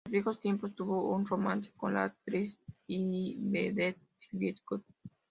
En los viejos tiempos tuvo un romance con la actriz y vedette Silvia Scott.